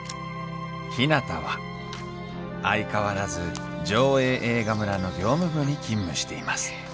ひなたは相変わらず条映映画村の業務部に勤務しています